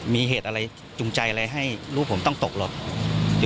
มีเหตุอะไรจุงใจอะไรให้ลูกผมต้องตกหลบ